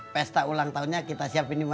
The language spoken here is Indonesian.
pesta ulang tahunnya kita siapin dimana